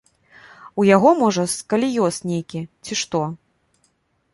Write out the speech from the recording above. У яго можа скаліёз нейкі ці што.